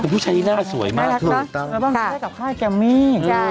ปุ๊บผู้ชายนี้น่าสวยมากค่ะถูกต้องแล้วบ้างก็ได้กับค่ายแกมมี่